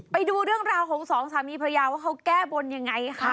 ไปดูเรื่องราวของสองสามีภรรยาว่าเขาแก้บนยังไงคะ